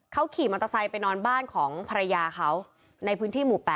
เขาขี่มอเตอร์ไซค์ไปนอนบ้านของภรรยาเขาในพื้นที่หมู่๘